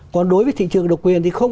còn đối với thị trường độc quyền thì không